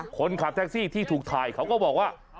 คนขับแท็กซี่ที่ถูกถ่ายเขาก็บอกว่า